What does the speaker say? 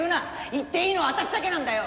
言っていいのは私だけなんだよ。